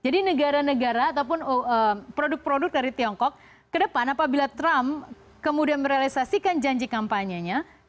jadi negara negara ataupun produk produk dari tiongkok ke depan apabila trump kemudian merealisasikan janji kampanyenya